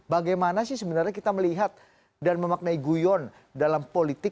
bagaimana sih sebenarnya kita melihat dan memaknai guyon dalam politik